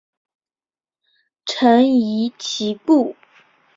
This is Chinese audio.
臣疑其故。